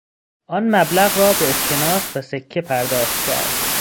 آن مبلغ را به اسکناس و سکه پرداخت کرد.